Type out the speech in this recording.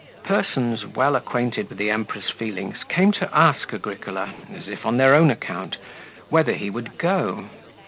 Persons well acquainted with the Emperor's feelings came to ask Agricola, as if on their own account, whether he would go.